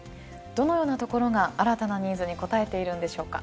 どのようなところが新たなニーズに応えているんでしょうか？